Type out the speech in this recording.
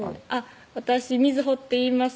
「私瑞穂っていいます」